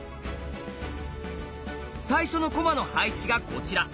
最初の駒の配置がこちら。